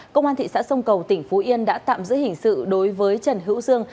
công an thị xã sông cầu tỉnh phú yên đã tạm giữ hình sự đối với trần hữu dương